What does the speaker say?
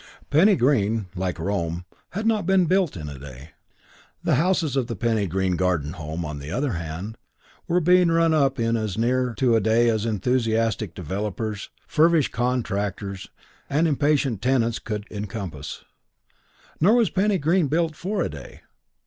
VI Penny Green, like Rome, had not been built in a day. The houses of the Penny Green Garden Home, on the other hand, were being run up in as near to a day as enthusiastic developers, feverish contractors (vying one with another) and impatient tenants could encompass. Nor was Penny Green built for a day.